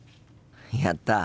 やった！